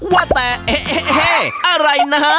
ว่าแต่เอ้เอ้เหอะไรนะฮะ